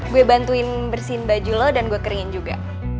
gue bantuin bersihin baju lo dan gue keringin juga